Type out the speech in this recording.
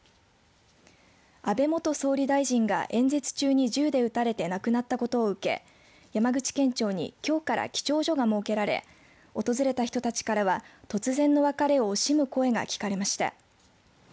安倍元総理大臣が演説中に銃で撃たれて亡くなったことを受け山口県庁にきょうから記帳所が設けられ訪れた人たちからは突然の別れを惜しむ声が聞かれました。